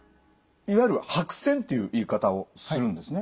いわゆる白癬っていう言い方をするんですね。